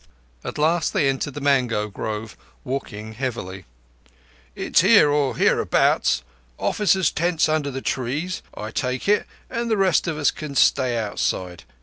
At last they entered the mango grove, walking heavily. "It's here or hereabouts—officers' tents under the trees, I take it, an' the rest of us can stay outside.